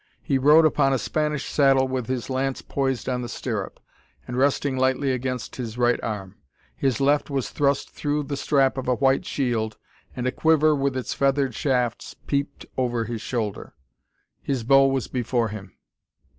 He rode upon a Spanish saddle with his lance poised on the stirrup, and resting lightly against his right arm. His left was thrust through the strap of a white shield, and a quiver with its feathered shafts peeped over his shoulder. His bow was before him.